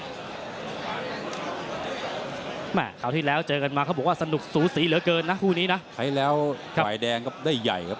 น้ำเงินครับมีเสียเรียมเลยครับ